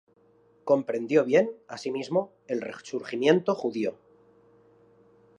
Comprendió bien, asimismo, el resurgimiento judío.